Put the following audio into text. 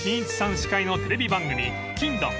司会のテレビ番組『欽ドン！